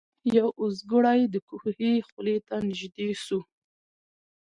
یو اوزګړی د کوهي خولې ته نیژدې سو